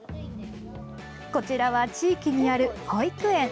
こちらは地域にある保育園。